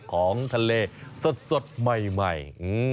ของทะเลสดใหม่